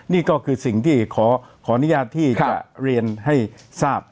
นี่ก็คือสิ่งที่ขออนุญาตที่จะเรียนให้ทราบ